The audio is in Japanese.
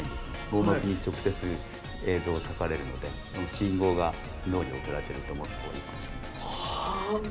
網膜に直接映像を描かれるのでその信号が脳に送られてるって思った方がいいかもしれません。